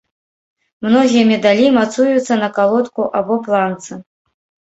Многія медалі мацуюцца на калодку або планцы.